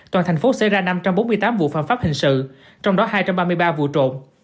toàn thành phố xảy ra năm trăm bốn mươi tám vụ phạm pháp hình sự trong đó hai trăm ba mươi ba vụ trộm